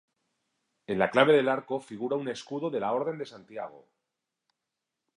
En la clave del arco figura un escudo de la Orden de Santiago.